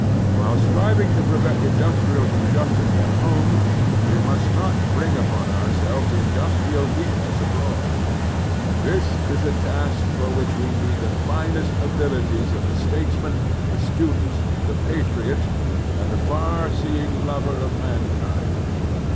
While striving to prevent industrial injustice at home, we must not bring upon our selves industrial weakness abroad. This is a task for which we need the finest abilities of the states man, the student, the patriot, and the far seeing aso The Strenuous Life lover of mankind.